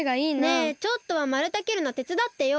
ねえちょっとはまるたきるのてつだってよ！